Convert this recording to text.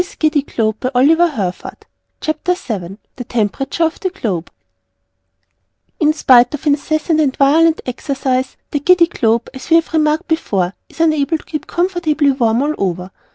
CHAPTER VII THE TEMPERATURE OF THE GLOBE In spite of incessant and violent exercise, the Giddy Globe (as we have remarked before) is unable to keep comfortably warm all over.